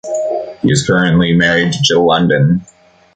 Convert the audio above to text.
He is currently married to Jill London.